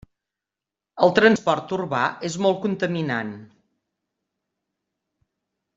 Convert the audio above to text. El transport urbà és molt contaminant.